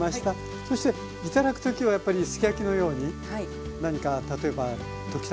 そして頂く時はやっぱりすき焼きのように何か例えば溶き卵。